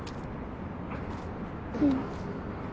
うん。